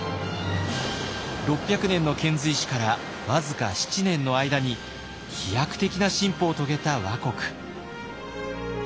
６００年の遣隋使から僅か７年の間に飛躍的な進歩を遂げた倭国。